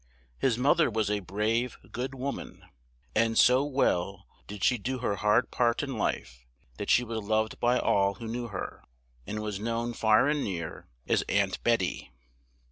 His moth er was a brave, good wo man, and so well did she do her hard part in life that she was loved by all who knew her, and was known far and near as "Aunt Bet ty."